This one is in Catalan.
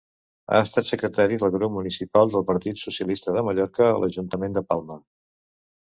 Ha estat secretari del grup municipal del Partit Socialista de Mallorca a l'Ajuntament de Palma.